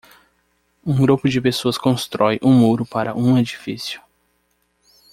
Um grupo de pessoas constrói um muro para um edifício